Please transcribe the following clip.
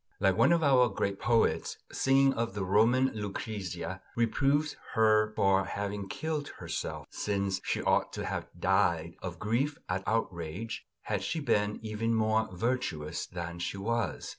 Like one of our great poets who, singing of the Roman Lucrezia, reproves her for having killed herself; since she ought to have died of grief at the outrage, had she been even more virtuous than she was.